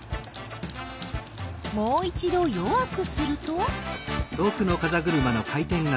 もう一ど弱くすると？